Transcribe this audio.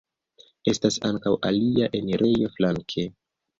Estas ankaŭ alia enirejo flanke.